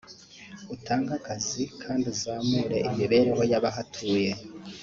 utange akazi kandi uzamure imibereho y’abahatuye